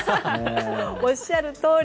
おっしゃるとおり。